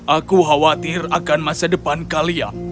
aku khawatir akan masa depan kalian